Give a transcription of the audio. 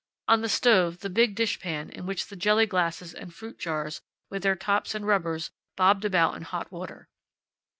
On the stove the big dishpan, in which the jelly glasses and fruit jars, with their tops and rubbers, bobbed about in hot water.